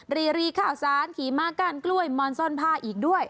รีข่าวสารขี่มาก้านกล้วยมอนซ่อนผ้าอีกด้วย